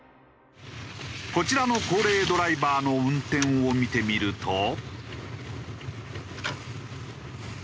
こちらの高齢ドライバーの運転を見てみると。